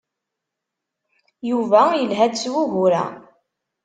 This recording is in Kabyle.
Yuba yelha-d s wugur-a.